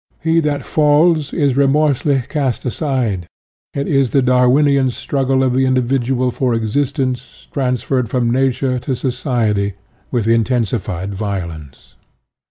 He that falls is remorselessly cast aside. It is the Dar winian struggle of the individual for ex istence transferred from Nature to society with intensified violence.